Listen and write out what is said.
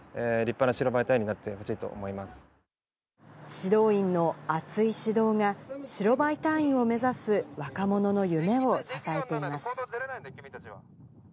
指導員の熱い指導が白バイ隊員を目指す若者の夢を支えています。